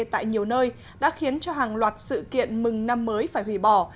tại nhiều nơi đã khiến cho hàng loạt sự kiện mừng năm mới phải hủy bỏ